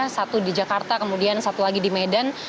satu di jakarta kemudian satu lagi di medan